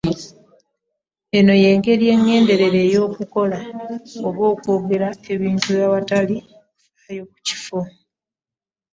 Eno ye ngeri eŋŋenderere ey’okukola oba okwogera ebintu awatali kufaayo ku kifo.